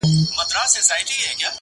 یا درویش سي یا سایل سي یاکاروان سي